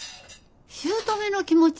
姑の気持ち？